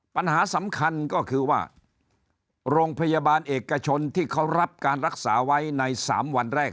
ปัญหาสำคัญก็คือว่าโรงพยาบาลเอกชนที่เขารับการรักษาไว้ใน๓วันแรก